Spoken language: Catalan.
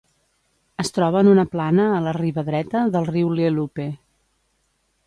Es troba en una plana a la riba dreta del riu Lielupe.